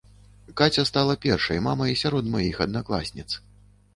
Каця стала першай мамай сярод маіх аднакласніц.